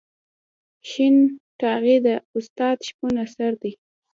شین ټاغی د استاد شپون اثر دی.